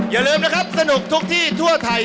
อย่าลืมนะครับสนุกทุกที่ทั่วไทย